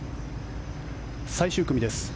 最終組です。